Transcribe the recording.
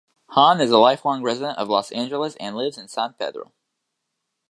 Hahn is a lifelong resident of Los Angeles and lives in San Pedro.